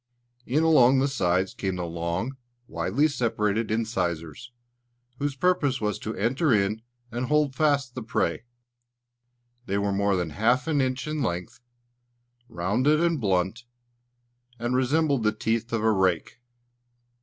In along the sides came the long, widely separated incisors, whose purpose was to enter into and hold fast the prey. They were more than half an inch in length, rounded and blunt, and resembled the teeth of a rake.